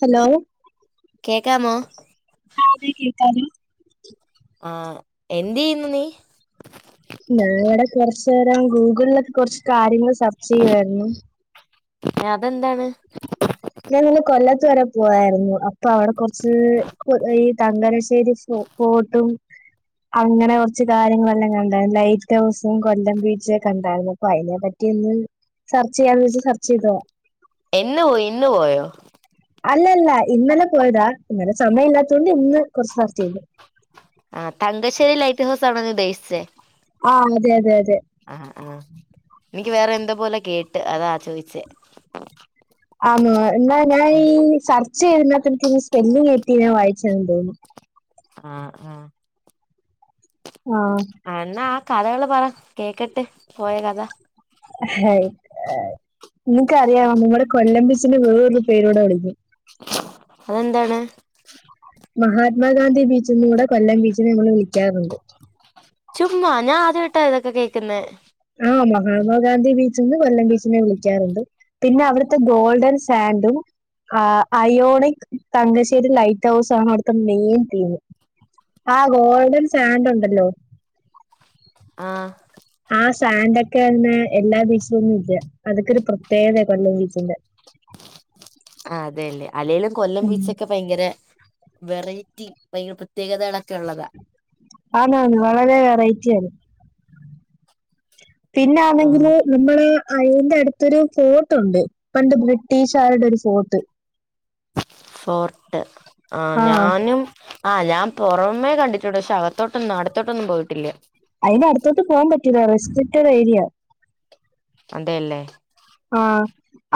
Hello കേക്കാമോ ആഹ് അതെ കേക്കാലൊ ആഹ് എന്തിയ്യുന്നു നീ ഞാ ഇവടെ കൊറച്ചേരം ഗൂഗിളിലൊക്കെ കൊറച്ച് കാര്യങ്ങൾ സെർച്ച് ചെയ്യുവായിരുന്നു ഏഹ് അതെന്താണ് ഞാനിന്ന് കൊല്ലെത്ത് വരെ പുവായിരുന്നു അപ്പൊ അവടെ കൊർച്ച് കൊർ ഈ തങ്കലശ്ശേരി സ്റ്റോ പോട്ടും അങ്ങനെ കൊർച്ച് കാര്യങ്ങളെല്ലാം കണ്ടേര്ന്നു ലൈറ്റൗസും കൊല്ലം ബീച്ച് ഒക്കെ കണ്ടാര്ന്നു അപ്പ ഐനെ പറ്റി [unintelligible] സെർച്ച് ചെയ്യാന്ന് വച്ച് സെർച്ച് ചെയ്തോ എന്ന് പോയി ഇന്ന് പോയോ അല്ലല്ല ഇന്നലെ പോയതാ ഇന്നലെ സമയം ഇല്ലാത്ത കൊണ്ട് ഇന്ന് കുറച്ച് [unintelligible] ആഹ് തങ്കശ്ശേരി ലൈറ്റ് ഹൗസ് ആണോ നീ ഉദ്ദേശിച്ചേ ആഹ് അതെ അതെ അതെ ആഹ് ആഹ് എനിക്ക് വേറെ എന്തൊ പോലെ കേട്ട് അതാ ചോദിച്ചേ ആന്നോ എന്നാ ഞാൻ ഈ സർച്ച് ചെയ്തതിനാത്ത് സ്പെല്ലിങ്ങെറ്റി ഞാൻ വായിച്ചെന്ന് തോന്നുന്നു ആഹ് ആഹ് ആഹ് ആഹ് എന്നാ ആഹ് കഥകള് പറ കേക്കട്ട് പോയ കഥ നിങ്ങക്കറിയാമോ നമ്മടെ കൊല്ലം ബീച്ചിന വേറൊരു പേരൂടെ വിളിക്കും അതെന്താണ് മഹാത്മാഗാന്ധി ബീച്ചെന്ന്കൂടെ കൊല്ലം ബീച്ചിനെ ഞമ്മൾ വിളിക്കാറുണ്ട് ചുമ്മാ ഞാൻ ആദ്യായിട്ടാ ഇതൊക്കെ കേക്കുന്നേ ആഹ് മഹാത്മാഗാന്ധി ബീച്ചന്ന് കൊല്ലം ബീച്ചിനെ വിളിക്കാറുണ്ട് പിന്നെ അവിടുത്തെ ഗോൾഡൻ സാൻഡും ആഹ് അയോണിക് തങ്കശ്ശേരി ലൈറ്റ് ഹൗസും ആണ് അവിടുത്തെ മെയിൻ തീമ് ആഹ് ഗോൾഡൻ സാൻന്റൊണ്ടല്ലോ ആഹ് ആഹ് സാൻഡൊക്കെ അങ്ങനെ എല്ലാ ബീച്ചിലൊന്നും ഇല്ല അതൊക്കൊരു പ്രത്യേകതയ കൊല്ലം ബീച്ചിന്റെ ആഹ് അതേല്ലേ അല്ലേലും കൊല്ലം ബീച്ചൊക്കെ ഭയങ്കര വെറൈറ്റി ഭയങ്കര പ്രത്യേകതകളൊക്കെ ഒള്ളതാ ആന്ന് ആന്ന് വളരെ വെറൈറ്റിയാത് ആ പിന്നാന്നെങ്കില് നമ്മളെ അയ്ന്റെ അടുത്തൊരു ഫോർട്ടുണ്ട് പണ്ട് ബ്രിട്ടീഷുകാരുടെ ഒരു ഫോർട്ട് ഫോർട്ട് ആഹ് ഞാനും ആഹ് ഞാൻ പൊറമേ കണ്ടിട്ടുണ്ട് പക്ഷെ അകത്തോട്ടൊന്നും അടുത്തോട്ടൊന്നും പോയിട്ടില്ല അതിനടുത്തോട്ട് പോവാൻ പറ്റില്ല റെസ്ട്രിക്റ്റഡേരിയ അതെല്ലേ ആഹ്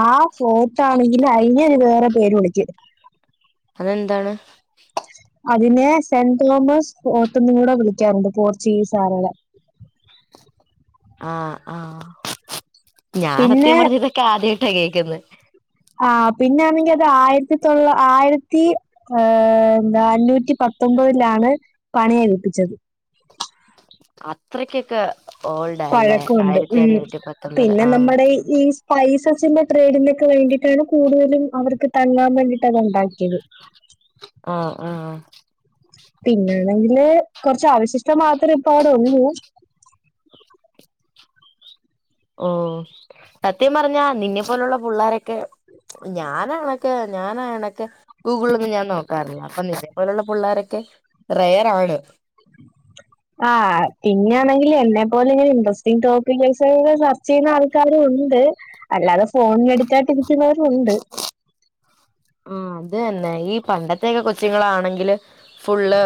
ആഹ് ഫോട്ട ആണെങ്കിൽ അഴിഞ്ഞെ വേറെര് പേര് വിളിക്കും അതെന്താണ് അതിനെ സെന്റ് തോമസ് ഫോട്ടന്ന് കൂടെ വിളിക്കാറുണ്ട് പോർച്ചുഗീസാരുടെ ആഹ് ആഹ് ഞാൻ പിന്നെ സത്യം പറഞ്ഞ ഇതൊക്കെ ആദ്യായിട്ടാ കേക്കുന്നേ ആഹ് പിന്നൊണെങ്കിൽ അത് ആയിരത്തി തൊള്ള ആയിരത്തി ഏഹ് എന്താ അഞ്ഞൂറ്റി പത്തൊമ്പതിലാണ് പണിയേൽപ്പിച്ചത് അത്രക്കൊക്കെ ഓൾഡ് അല്ലേ പഴക്കമുണ്ട് ആയിരത്തി ഉം അഞ്ഞൂറ്റി പത്തൊമ്പത് പിന്നെ ആ നമ്മുടെ ഈ പൈസ [unintelligible] ട്രേഡിലൊക്കെ വേണ്ടിയിട്ടാണ് കൂടുതലും അവർക്ക് തങാൻ വേണ്ടിട്ട് അത് ഉണ്ടാക്കിയത് ആഹ് ആഹ് പിന്നെയാണെങ്കില് കൊറച്ച് അവശിഷ്ടം മാത്രേ ഇപ്പ അവിടെ ഒള്ളൂ ഓഹ് സത്യം പറഞ്ഞാ നിന്നെ പോലുള്ള പിള്ളോരൊക്കെ ഞാനാണൊക്കെ ഞാനാണൊക്കെ ഗൂഗിളൊന്നും ഞാൻ നോക്കാറില്ല അപ്പൊ നിന്നെ പോലെയുള്ള പിള്ളോരൊക്കെ റയർ ആണ് ആഹ് പിന്നാണെങ്കിൽ എന്നെ പോല ഇങ്ങനെ ഇൻറ്രസ്റ്റിഗ് ടോപ്പിക് [unintelligible] ചെയ്യുന്ന ആൾക്കാരും ഉണ്ട് അല്ലാതെ ഫോൺ എടുക്കാണ്ടിരിക്കുന്നവരും ഉണ്ട് ഉം അതന്നെ ഈ പണ്ടത്തൊക്കെ കൊച്ചുങ്ങളാണെങ്കില് ഫുള്ള്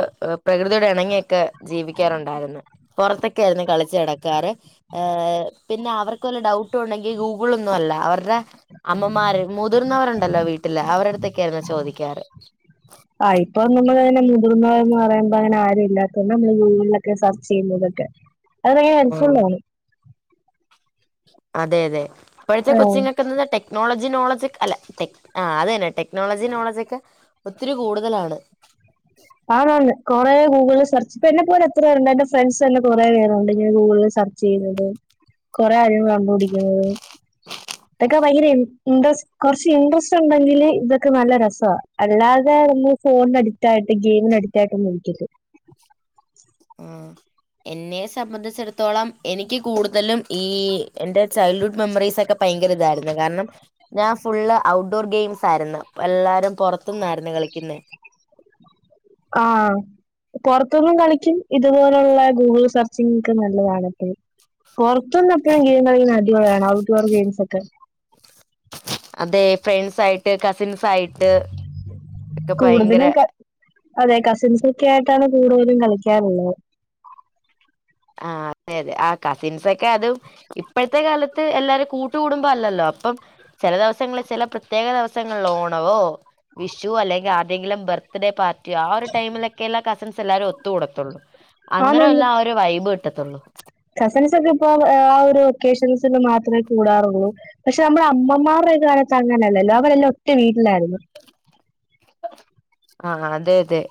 പ്രകൃതിയൊട് ഇണങ്ങിയൊക്കെ ജീവിക്കാറുണ്ടായിരുന്ന് പുറത്തൊക്കായിരുന്നേ കളിച്ച് നടക്കാറ് ഏഹ് പിന്നെ അവർക്ക് വല്ല ഡൗട്ട് ഉണ്ടെങ്കിൽ ഗൂഗിളൊന്നും അല്ല അവരുടെ അമ്മമാര് മുതിർന്നവരുണ്ടല്ലോ വീട്ടില് അവരുടടുത്തൊക്കെ ആയിരുന്നു ചോദിക്കാറ് ആഹ് ഇപ്പൊ നമ്മളങ്ങനെ മുതിർന്ന എന്ന് പറയുമ്പോ അങ്ങനെ ആരും ഇല്ലാത്ത നമ്മള് ഗൂഗിളിലൊക്കെ സെർച്ച് ചെയ്യുന്നതൊക്കെ അത് ഭയങ്കര ഹെൽഫുള്ള് ആഹ് ആണ് അതെ അതെ ഇപഴത്തെ കൊച്ചിങ് ഒക്കെ ന്നത് ടെക്നോളജി നോളജ് അല്ല ആഹ് അത് തന്നെ ടെക്നോളജി നോളജ് ഒക്കെ ഒത്തിരി കൂടുതലാണ് അതാണ് കുറെ ഗൂഗിള് സെർച്ച് ഇപ്പ എന്നെ പോലെ എത്രേരുണ്ട് എന്റെ ഫ്രണ്ട്സ് തന്നെ കുറെ പേരുണ്ട് ഇങ്ങനെ ഗൂഗിള് സെർച്ച് ചെയുന്നത് കൊറെ കാര്യങ്ങൾ കണ്ടപിടിക്കുന്നത് ഇതൊക്കെ ഭയങ്കര ഇഡ്റസ്റ്റിംഗ് കുറച്ച് ഇൻട്രസ്റ്റ് ഉണ്ടെങ്കില് ഇതൊക്കെ നല്ല രസവാണ് അല്ലാതെ ഫോണ് അഡിക്റ്റ് ആയിട്ട് ഗെയിം അടിറ്റായിട്ടൊന്നും ഇരിക്കല് ആഹ് എന്നെ സംബന്ധിച്ചിടത്തോളം എനിക്ക് കൂടുതലും ഈ എന്റെ ചൈൽഡ്ഹുഡ് മെമ്മറീസൊക്കെ ഭയങ്കര ഇതായിരുന്നു കാരണം ഞാൻ ഫുള്ള് ഔട്ട്ഡോർ ഗൈയിംസായിരുന്ന് അപ്പ എല്ലാവരും പുറത്തുന്നായിരുന്നേ കളിക്കുന്നേ ആഹ് പുറത്തൊന്നും കളിക്കും ഇതുപോലുള്ള ഗൂഗിള് സെർച്ചിങ്ങൊക്കെ നല്ലതാണ് എപ്പഴും പുറത്തുന്നൊകെ ഗെയിം കളികുന്ന അടിപൊളിയാണ് ഔട്ട്ഡോർ ഗെയിംസ് ഒക്കെ അതെ ഫ്രണ്ട്സ് ആയിട്ട് കസിൻസ് ആയിട്ട് ഒക്കെ ഭയങ്കര കൂടുതലും ക അതെ കസിൻസൊക്കെ ആയിട്ടാണ് കൂടുതലും കളിക്കാറുള്ളത് ആഹ് അതെ അതെ ആഹ് കസിൻസൊക്കെ അതും ഇപ്പോഴത്തെ കാലത്ത് എല്ലാരും കൂട്ട് കൂടുമ്പം അല്ലല്ലോ അപ്പം ചെല ദിവസങ്ങളിൽ ചെല പ്രത്യേക ദിവസങ്ങളിൽ ഓണവോ വിഷുവൊ അല്ലെങ്കിൽ ആര്ടെങ്കിലും ബർത്ത് ഡേ പാർട്ടി യൊ ആഹ് ഒരു ടൈമിലൊക്കെ അല്ലേ കസിൻസ് എല്ലാരും ഒത്തുകൂടുത്തുള്ളൂ അന്നേരം അല്ലേ ആഹ് ഒരു വൈബ് കിട്ടത്തുള്ളൂ കസിൻസൊക്കെ ഇപ്പൊ ആഹ് ഒരു ഒക്കേഷൻസിന് മാത്രമേ കൂടാറുള്ളൂ പക്ഷെ നമ്മുടെ അമ്മമാരുടെ കാലത്ത് അങ്ങനെല്ലല്ലോ അവരെല്ലാം ഒറ്റ വീട്ടിലായിരുന്നു ആഹ് അതെ അതെ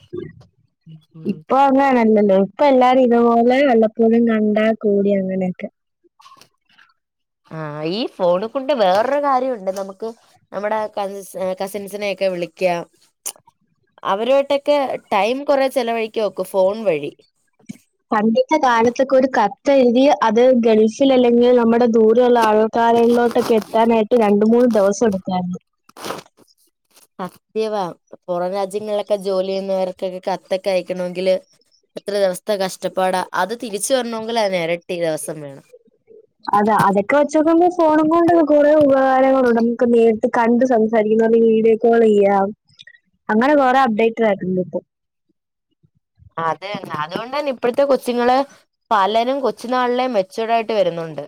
ഉം [unintelligible] അങ്ങനണല്ലല്ലോ ഇപ്പ എല്ലാരും ഇതുപോലെ വല്ലപ്പോഴും കണ്ട് കൂടി അങ്ങനെയൊക്കെ ആഹ് ഈ ഫോണ് കൊണ്ട് വേറൊരു കാര്യമുണ്ട് നമുക്ക് നമ്മുടെ കസി കസിൻസിനൊക്കെ വിളിക്കാം അവരമായിട്ടൊക്കെ ടൈം കൊറെ ചെിലവഴിക്ക് നോക്കും ഫോൺ വഴി. പണ്ടത്തെ കാലത്തൊക്കെ ഒരു കത്തെ എഴുതി അത് ഗൾഫിൽ അല്ലെങ്കിൽ നമ്മുടെ ദൂരുള്ള ആൾക്കരിലോട്ടൊക്കെ എത്താനായിട്ട് രണ്ട് മൂന്ന് ദിവസം എടുക്കായിരുന്നു. സത്യവാ പുറം രാജ്യങ്ങളിലൊക്കെ ജോലി ചെയ്യുന്നവർക്കൊക്കെ കത്തൊക്കെ അയക്കണങ്കില്. എത്ര ദിവസത്തെ കഷ്ടപ്പാടാ അത് തിരിച്ചു വരണമെങ്കിൽ അതിനിരട്ടി ദിവസം വേണം. അതാ അതൊക്കെ വെച്ചക്കുമ്പോ ഫോണും കൊണ്ടുള്ള കുറെ ഉപകാരങ്ങളുണ്ട് നമുക്ക് നേരിട്ട് കണ്ട് സംസാരിക്കുന്ന വീഡിയോ കോളിയ്യാം അങ്ങനെ കുറെ അപ്ഡേറ്റ് ആയിണ്ട് ഇപ്പ. അതന്നെ അതുകൊണ്ട് തന്നെ ഇപ്പോഴത്തെ കൊച്ചുങ്ങള്. പലരും കൊച്ചു നാളിലെ മെച്ചയൂർ ആയിട്ട് വരുന്നുണ്ട്.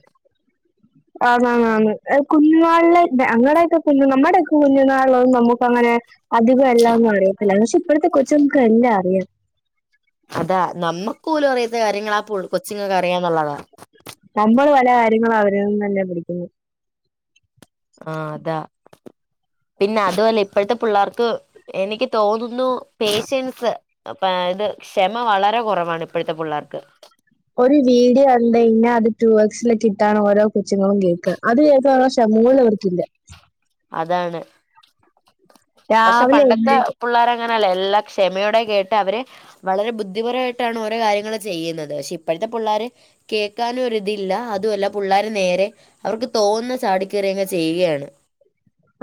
ആഹ് ആഹ് കുഞ്ഞുനാളിലെ അങ്ങടെക്കെ കുഞ്ഞു നമ്മുടെക്കെ കുഞ്ഞുനാളോ നമുക്ക് അങ്ങനെ. അധികം എല്ലാന്നും അറിയത്തില്ല പക്ഷെ ഇപ്പോഴത്തെ കൊച്ചുങ്ങൾക്ക് എല്ലാം അറിയാം. അതാ നമ്മുക്ക് പോലും അറിയാത്ത കാര്യങ്ങളാ പോൾ കൊച്ചിങ്ങൊക്കെ അറിയാന്നുള്ളതാ. നമ്മൾ പല കാര്യങ്ങളും അവരി നിന്ന് തന്നെ പിടിക്കുന്നു. ആഹ് അതാ പിന്നെ അതുപലെ ഇപ്പോഴത്തെ പിള്ളേർക്ക്. എനിക്ക് തോന്നുന്നു പേഷ്യൻസ്. അപ്പ ആത് ക്ഷമ വളരെ കുറവാണ് ഇപ്പോഴത്തെ പിള്ളേർക്ക്. ഒരു വീഡിയോ കണ്ട കഴിഞ്ഞാ അത് ടു എക്സിലിട്ടിടാണ് ഓരോ കൊച്ചുങ്ങളും കേൾക്കുക അത് കേൾക്ക. സ മോൾക്ക്ൾ അവർകില്ല. അതാണ്. പക്ഷെ രാവിലെ പണ്ടത്തെ എഴുന്നേറ്റ് പിള്ളോര അങ്ങനല്ല എല്ലാ ക്ഷമയോടെ കേട്ട് അവരെ. വളരെ ബുദ്ധിപരമായിട്ടാണ് ഓരോ കാര്യങ്ങള് ചെയ്യുന്നത് പക്ഷെ ഇപ്പഴത്തെ പുള്ളേര് കേക്കാനും ഒരിതില്ല അതുവല്ല പുള്ളേര് നേരെ അവർക്ക് തോന്നുന്നത് ചാടികേറിയങ്ങ് ചെയ്യുകയാണ്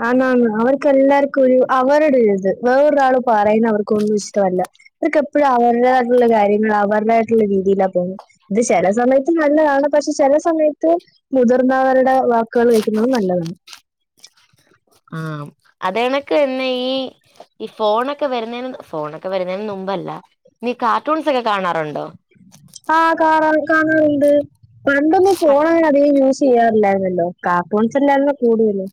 ആന്ന് ആന്ന് അവർക്കെല്ലാർക്കും ഒരു അവരുടെ ഇത് വേറൊരാള് പറയുന്ന അവർക്കൊന്നും ഇഷ്ടവല്ല അവർക്കെപ്പോഴും അവരുടെതായിട്ടുള്ള കാര്യങ്ങള് അവരുടെതായിട്ടുള്ള രീതിയിലാ പോവുന്നത്. ഇത് ചെലസമയത്ത് നല്ലതാണ് പക്ഷെ ചെലസമയത്ത്. മുതിർന്നവരുടെ വാക്കുകൾ കേക്കുന്നത് നല്ലതാണ്. ആം അതുകണക്കുതന്നെ ഈ ഈ ഫോണൊക്കെ വരുന്നതിന് ഫോണൊക്കെ വരുന്നതിന് മുമ്പല്ലാ നീ കാർട്ടൂൺസ് ഒക്കെ കാണാറുണ്ടോ. ആ കാണ കാണാറുണ്ട് പണ്ടൊന്നും ഫോണങ്ങനെ യൂസ് ചെയ്യാറില്ലായിരുന്നല്ലോ കാർട്ടൂൺസല്ലായിരുന്നോ കൂടുതലും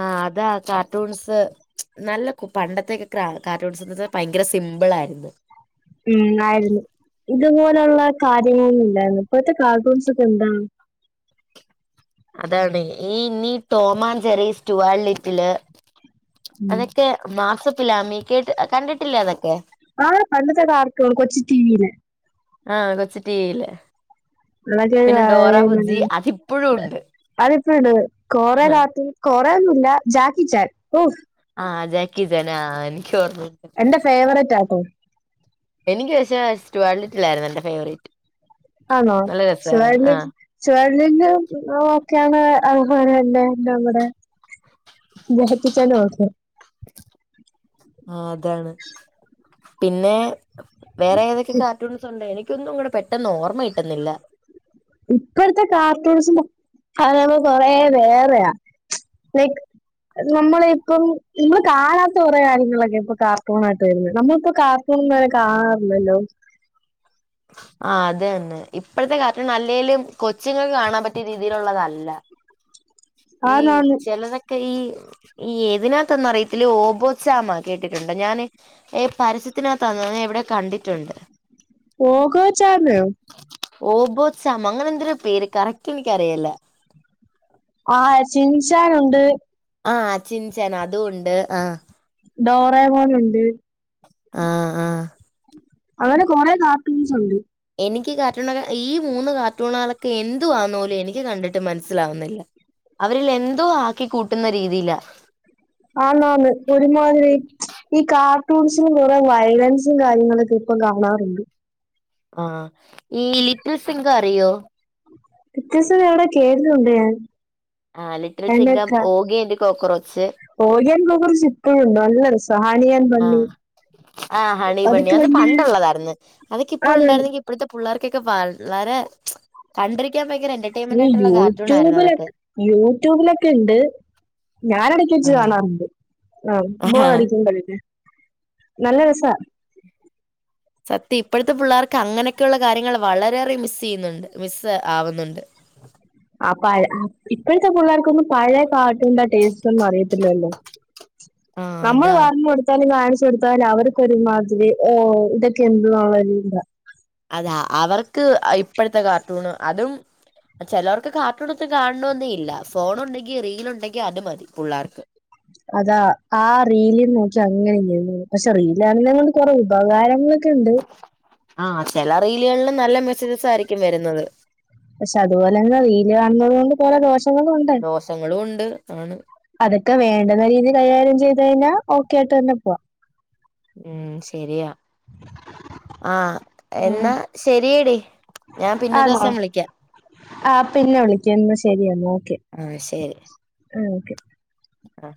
ആ അതാ കാർട്ടൂൺസ്. നല്ല കു പണ്ടത്തെക്കെ കാർ കാർട്ടൂൺസ് സ് ഭയങ്കര സിമ്പിൾ ആയിരുന്നു ഉം ആയിരുന്നു ഇതുപോലൊള്ള കാര്യങ്ങളൊന്നും ഇല്ലായിരുന്നു ഇപ്പഴത്തെ കാർട്ടൂൺസൊക്കെ എന്താ അതാണ് ഈ ഇനി ടോമാൻജെറി സ്റ്റുവാൻലിറ്റില് ഉം അതൊക്കെ മാസപ്പിലാമി കേട്ട് കണ്ടിട്ടില്ലേ അതൊക്കെ ആ പണ്ടത്തെ കാർട്ടൂൺ കൊച്ചു ടിവിയിലെ ആ കൊച്ചു ടിവിയിലെ അതൊക്കെ പിന്നെ ഡോറബുജി അതിപ്പഴും ഉണ്ട്. അതിപ്പഴുണ്ടത് കൊറെ കാർട്ടൂൺ കൊറെയൊന്നുമില്ല ജാക്കിച്ചാൻ ഓഹ് ആ ജാക്കിചാൻ ആ എനിക്ക് ഓർമ്മയുണ്ട് എൻ്റെ ഫേവറേറ്റാട്ടൊ എനിക്ക് പക്ഷേ സ്റ്റുവാൻലിറ്റിലായിരുന്നു എന്റെ ഫേവറേറ്റ് ആണോ നല്ല രസമായിരുന്നു സ്റ്റുവാൻലിറ്റ് ആഹ് സ്റ്റുവാൻലിറ്റ്ന് ഓക്കെയാണ് അതുപോലെതന്നെ നമ്മടെ ബഹുത്തിച്ചനും ഓക്കെയാണ് ആ അതാണ് പിന്നെ വേറെ ഏതൊക്കെ കാർട്ടൂൺസൊണ്ട് എനിക്ക് എനിക്കൊന്നങ്ങട് പെട്ടെന്ന് ഓർമ്മകിട്ടുന്നില്ലാ ഇപ്പഴത്തെ കാർട്ടൂൺസും കഥകള് കൊറേ വേറെയാ ലൈക്ക് നമ്മളിപ്പം നമ്മള് കാണാത്ത കൊറെ കാര്യങ്ങളൊക്കെ ഇപ്പൊ കാർട്ടൂണായിട്ട് വരുന്നത് നമ്മളിപ്പോ കാർ ട്ടൂൺവരെ കാണാറില്ലല്ലോ. ആ അതുതന്നെ ഇപ്പഴത്തെ കാർട്ടൂൺ അല്ലേലും കൊച്ചുങ്ങൾക്ക് കാണാൻ പറ്റിയ രീതിയിലുള്ളതല്ല. ഈ ആന്നാന്ന് ചെലതെക്ക് ക്കെ ഈ ഈ ഏതിനാത്തന്നറിയത്തില്ല ഈ ഓബോച്ചാമാ കേട്ടിട്ടുണ്ട് ഞാനീ ഏ പരസ്യത്തിനകത്താന്നോ എവിടയോ കണ്ടിട്ടുണ്ട് പോഗോച്ചാമയോ ഓബോച്ചാമ അങ്ങനെന്തൊരുപേര് കറക്റ്റെനിക്കറിയില്ല ആ ചിൻച്ചാനുണ്ട് ആ ചിൻചാൻ അതും ഉണ്ട് ആ ഡോറെ പോലുണ്ട് ആ ആ അങ്ങനെ കൊറേ കാർട്ടൂൺസൊണ്ട് എനിക്കീ കാർട്ടൂണൊക്കെ ഈ മൂന്ന് കാർട്ടൂണുകളൊക്കെ എന്തുവാന്നുപോലും എനിക്ക് കണ്ടിട്ടുമനസ്സിലാവുന്നില്ല അവരിൽ എന്തോ ആക്കി കൂട്ടുന്നരീതിയിലാ ആന്നാന്ന് ഒരുമാതിരി ഈ കാർട്ടൂൺസിന് കുറെ വയലൻസും കാര്യങ്ങളൊക്കെ ഇപ്പം കാണാറുണ്ട് ആ ഈ ലിറ്റിൽസിംഗ അറിയോ ലിറ്റിൽസിംഗ എവിടെയോ കേട്ടിട്ടുണ്ടുഞാൻ ആ ലിറ്റിൽസിംഗ Oggy and cockroach Oggy and cockroach ഇപ്പഴും ഉണ്ട് നല്ലരസം സാനിയൻ ആ ആ ഹണി ബണ്ണി അത് ഭയങ്കര പണ്ടൊള്ളതായിരുന്നു അതൊക്കെ ആന്ന് ഇപ്പഴൊണ്ടായിരുന്നെങ്കി ഇപ്പോഴത്തെ പുള്ളേർക്കക്കെ വളരെ കണ്ടിരിക്കാൻ ഭയങ്കര എന്റർടെം ഈ യൂട്യൂബിലെ യൂട്യൂബിലൊക്കെ ഉണ്ട് ഞാനടെക്കെച്ച് ആഹ് കാണാറുണ്ട്. ആ ആഹ് ബോറടിക്കുമ്പഴല്ലേ നല്ല രസാ സത്യം ഇപ്പോഴത്തെ പിള്ളേർക്ക് അങ്ങനെയൊക്കെയുള്ള കാര്യങ്ങള് വളരെയേറെ മിസ് ചെയ്യുന്നുണ്ട് മിസ് ആവുന്നുണ്ട് ആ പഴ ഉം ഇപ്പോഴത്തെ പിള്ളേർക്കൊന്നും പഴേ പാ എന്താ ടേസ്റ്റൊന്നും അറിയത്തില്ലല്ലോ, ആഹ് നമ്മള് അതാ പറഞ്ഞൊട് ത്താല് കാണിച്ചു കൊടുത്താല് അവർക്കൊരുമാതിരി ഓ ഇതൊക്കെ എന്തുവാ എന്താ അതാ അവർക്ക് ഇപ്പഴത്തെ കാർട്ടൂണ് അതും ചെലവർക്ക് കാർട്ടൂണ്ത്ത് കാണണോംന്നില്ല ഫോണ് ഉണ്ടെങ്കി റീല് ഉണ്ടെങ്കി അത് മതി പുള്ളേർക്ക് അതാ ആ റീല് നോക്കി അങ്ങനെ ഇരുന്നോളും. പക്ഷെ റീലാണെങ്കിലങ്ങണ്ട് കൊറെ ഉപകാരങ്ങളൊക്കെ ഉണ്ട് ആ ചില റീലുകളില് നല്ല മെസ്സേജസ് ആയിരിക്കും വരുന്നത് പക്ഷെ അതുപോലെന്നെ റീല് കാണുന്നത് കൊണ്ട് കൊറേ ദോഷങ്ങളും ഉണ്ട്. ദോഷങ്ങളും ഉണ്ട് ആണ് അതൊക്കെ വേണ്ടുന്ന രീതിൽ കൈകാര്യം ചെയ്ത് കഴിഞ്ഞാ ഓക്കെ ആയിട്ട് തന്നെ പോവാം. ഉം ശരിയാ ആഹ് ഉം എന്നാ ശരിയെടി ഞാൻ പിന്നെ ഒരു ആണോ ദിവസം വിളിക്കാം ആ പിന്നെ വിളിക്കന്ന് ശരിയന്നാ ഓക്കെ ആഹ് ശരി ആഹ് ഓക്കെ അഹ്